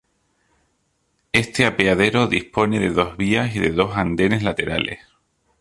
Este apeadero dispone de dos vías y de dos andenes laterales.